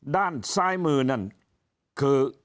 ด้านซ้ายมือนั่นคือ